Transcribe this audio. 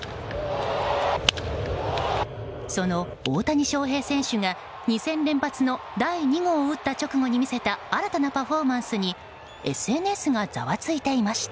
その大谷翔平選手が２戦連発の第２号を打った直後に見せた新たなパフォーマンスにＳＮＳがざわついていました。